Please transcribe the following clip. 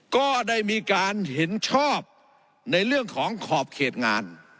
ก็ได้มีการเห็นชอบในเรื่องของขอบเขตงาน